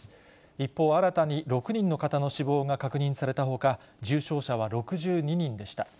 一方、新たに６人の方の死亡が確認されたほか、重症者は６２人でした。